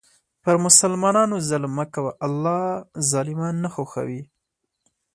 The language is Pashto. پر مسلمانانو ظلم مه کوه، الله ظالمان نه خوښوي.